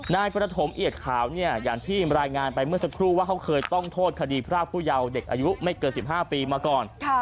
นายประถมเอียดขาวเนี่ยอย่างที่รายงานไปเมื่อสักครู่ว่าเขาเคยต้องโทษคดีพรากผู้เยาว์เด็กอายุไม่เกิน๑๕ปีมาก่อน